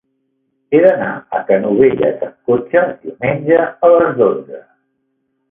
He d'anar a Canovelles amb cotxe diumenge a les dotze.